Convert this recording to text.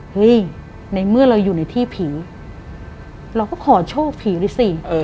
เฮ้ยในเมื่อเราอยู่ในที่ผีเราก็ขอโชคผีด้วยสิ